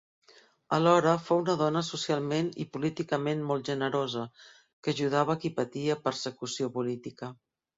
Alhora fou una dona socialment i políticament molt generosa, que ajudava qui patia persecució política.